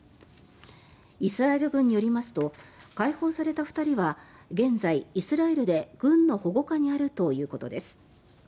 イスラエル軍によりますと解放された２人は現在、イスラエルで軍の保護下にあるということです。